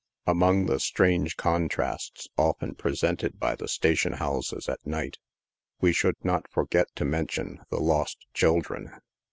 Among the strange contrasts often presented by the station houses at night, we should not forget to mention the lost children.